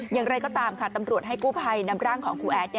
อย่างไรก็ตามค่ะตำรวจให้กู้ภัยนำร่างของครูแอด